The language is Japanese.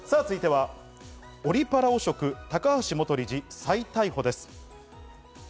続いてはオリパラ汚職、高橋元事理、再逮捕です。